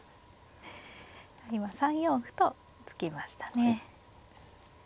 今３四歩と突きましたね。